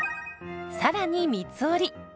さらに三つ折り。